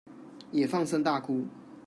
也放聲大哭